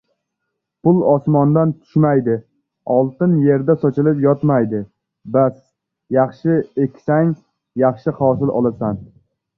• Pul osmondan tushmaydi, oltin yerda sochilib yotmaydi, bas, yaxshi eksang — yaxshi hosil olasan.